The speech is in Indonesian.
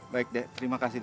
baik terima kasih